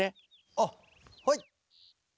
あっはい。